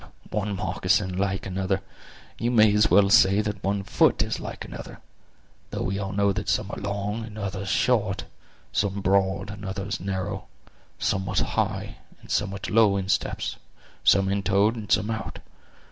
"One moccasin like another! you may as well say that one foot is like another; though we all know that some are long, and others short; some broad and others narrow; some with high, and some with low insteps; some intoed, and some out.